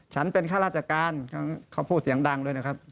ฉันเป็นข้าราชการเขาพูดเสียงดังด้วยนะครับ